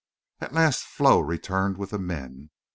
At last Flo returned with the men.